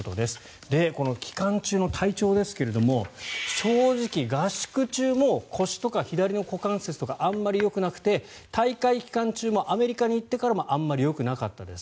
この期間中の体調ですが正直、合宿中も腰とか左の股関節とかあんまりよくなくて大会期間中もアメリカに行ってからもあまりよくなかったです